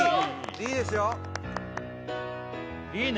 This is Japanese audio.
いいですよいいね